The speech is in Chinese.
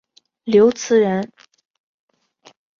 刘词人。